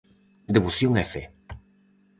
Devoción e fe.